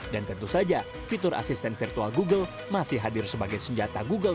dan tentu saja fitur asisten virtual google masih hadir sebagai senjata google